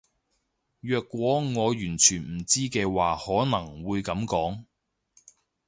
若果我完全唔知嘅話可能會噉講